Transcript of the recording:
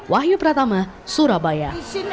wahyu pratama surabaya